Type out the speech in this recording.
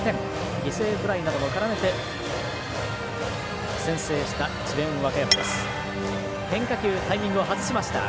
犠牲フライなどもからめて先制した智弁和歌山です。